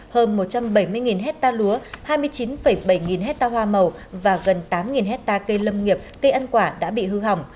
hơn một trăm bảy mươi hecta lúa hai mươi chín bảy nghìn hecta hoa màu và gần tám hecta cây lâm nghiệp cây ăn quả đã bị hư hỏng